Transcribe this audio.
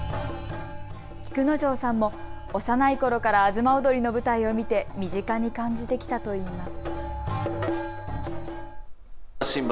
菊之丞さんも幼いころから東をどりの舞台を見て身近に感じてきたといいます。